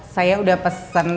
saya udah pesen